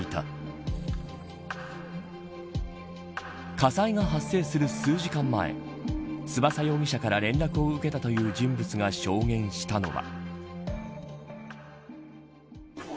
火災が発生する数時間前翼容疑者から連絡を受けたという人物が証言したのは。